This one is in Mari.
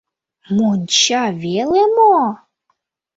Монча веле мо?!